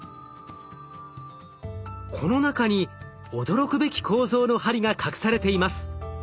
この中に驚くべき構造の針が隠されています。